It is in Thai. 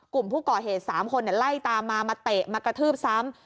กลุ่มผู้ก่อเหตุ๓คนไล่ตามมามาเตะมากระทืบซ้ำ